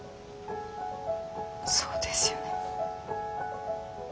そうですよね。